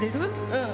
うん！